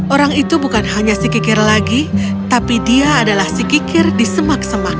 orang itu bukan hanya si kikir lagi tapi dia adalah si kikir di semak semak